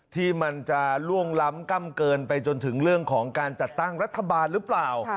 ที่มันจะล่วงล้ำกล้ำเกินไปจนถึงเรื่องของการจัดตั้งรัฐบาลหรือเปล่า